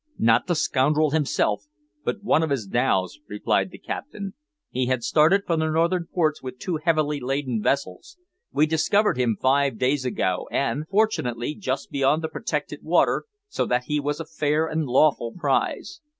"Not the scoundrel himself, but one of his dhows," replied the Captain. "He had started for the northern ports with two heavily laden vessels. We discovered him five days ago, and, fortunately, just beyond the protected water, so that he was a fair and lawful prize.